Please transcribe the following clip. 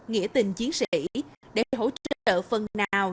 nghĩa tình chiến sĩ để hỗ trợ phần nào